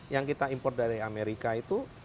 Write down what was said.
yang kita import dari amerika itu